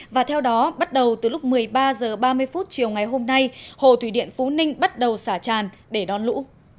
và theo đó bắt đầu từ lúc một mươi ba h ba mươi chiều ngày hôm nay hồ thủy điện phú ninh bắt đầu xả tràn để đón lũ